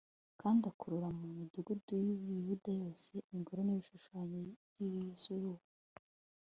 Kandi akura mu midugudu yi Buyuda yose ingoro nibishushanyo byizuba